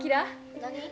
何？